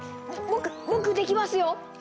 僕僕できますよ！